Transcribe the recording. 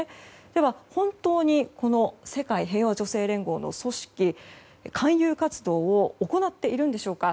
では本当に世界平和女性連合の組織勧誘活動を行っているんでしょうか。